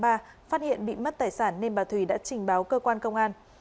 phát hiện bị mất tài sản nên bà thùy đã trình báo cơ quan công an